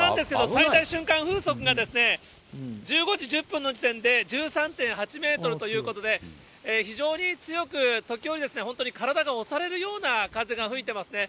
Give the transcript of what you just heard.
最大瞬間風速が１５時１０分の時点で１３．８メートルということで、非常に強く、時折、本当に体が押されるような風が吹いてますね。